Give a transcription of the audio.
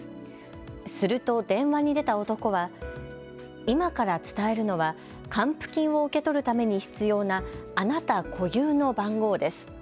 すると電話に出た男は今から伝えるのは還付金を受け取るために必要なあなた固有の番号です。